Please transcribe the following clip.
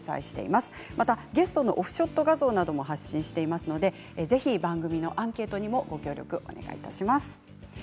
またゲストのオフショット画像なども発信していますのでぜひ番組のアンケートにもご協力をお願いいたします。